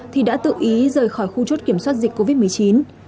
thì đã tự ý rời khỏi khu chốt kiểm soát dịch covid một mươi chín